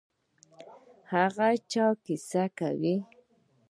هغه چا کیسه کوي.